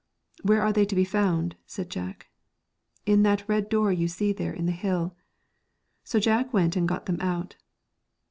1 Where are they to be found ?' said Jack. 1 In that red door you see there in the hill.' So Jack went and got them out.